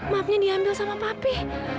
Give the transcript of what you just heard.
maafnya diambil sama papi